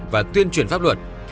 và tuyên truyền pháp luật